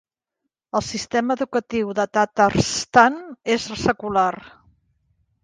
El sistema educatiu de Tatarstan és secular.